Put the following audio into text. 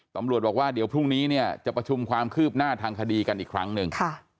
ตำรวจบอกว่าเดี๋ยวพรุ่งนี้เนี่ยจะประชุมความคืบหน้าทางคดีกันอีกครั้งหนึ่ง